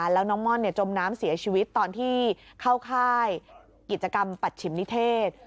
แล้วน้องม่อนจมน้ำเสียชีวิตตอนที่เข้าค่ายกิจกรรมปัจฉิมนิเทศ